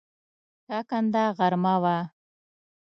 ټاکنده غرمه وه.